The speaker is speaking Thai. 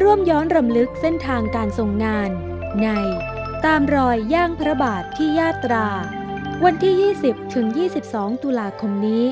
ร่วมย้อนรำลึกเส้นทางการทรงงานในตามรอยย่างพระบาทที่ยาตราวันที่๒๐ถึง๒๒ตุลาคมนี้